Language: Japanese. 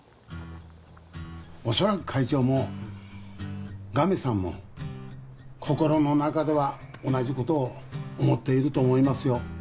おそらく会長もガミさんも心の中では同じことを思っていると思いますよ